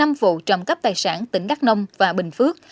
các đối tượng đã trộm cấp tài sản tỉnh đắk nông và bình phước